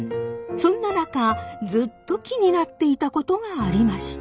そんな中ずっと気になっていたことがありました。